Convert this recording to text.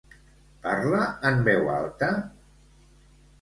Parla en veu alta?